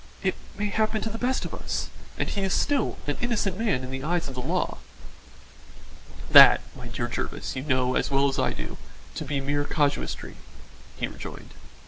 "It may happen to the best of us; and he is still an innocent man in the eyes of the law." "That, my dear Jervis, you know, as well as I do, to be mere casuistry," he rejoined.